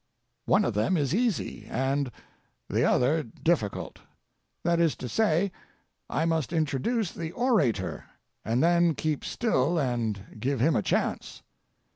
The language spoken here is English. One of them is easy, and the other difficult. That is to say, I must introduce the orator, and then keep still and give him a chance.